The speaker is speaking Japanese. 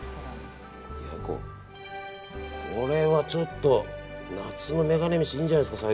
これはちょっと、夏のメガネ飯いいんじゃないですか？